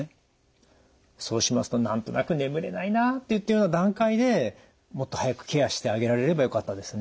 そうしますと何となく眠れないなといったような段階でもっと早くケアしてあげられればよかったですね。